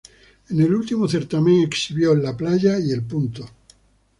En el último certamen exhibió "La Playa" y "El Punto".